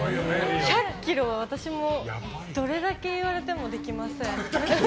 １００ｋｍは私もどれだけ言われてもできません。